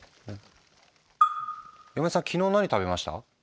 山根さん昨日何食べました？